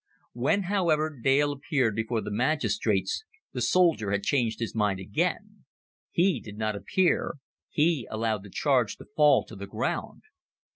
When, however, Dale appeared before the magistrates, the soldier had changed his mind again he did not appear, he allowed the charge to fall to the ground.